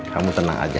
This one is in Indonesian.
kamu tenang aja